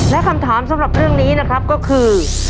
และคำถามสำหรับเรื่องนี้นะครับก็คือ